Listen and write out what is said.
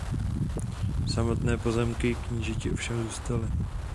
Samotné pozemky knížeti ovšem zůstaly.